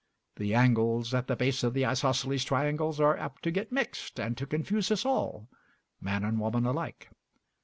The angles at the base of the isosceles triangles are apt to get mixed, and to confuse us all man and woman alike.